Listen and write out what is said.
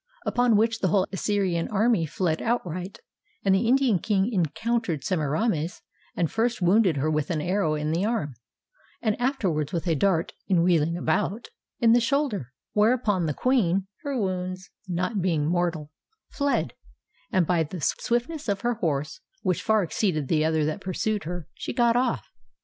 Upon which the whole Assyrian army fled out right, and the Indian king encountered Semiramis, and first wounded her with an arrow in the arm, and afterwards with a dart (in wheeling about) in the shoul der; whereupon the queen (her wounds not being mor tal) fled, and by the swiftness of her horse (which far ex ceeded the other that pursued her) she got off.